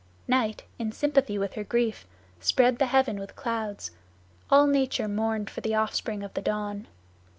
Night, in sympathy with her grief, spread the heaven with clouds; all nature mourned for the offspring of the Dawn.